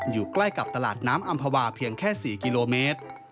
อยู่ใกล้กับตลาดน้ำอำภาวาเพียงแค่๔กิโลเมตร